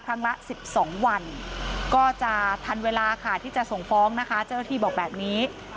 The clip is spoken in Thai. ครั้งละ๑๒วันก็จะทันเวลาค่ะที่จะส่งฟ้องนะคะเจ้าหน้าที่บอกแบบนี้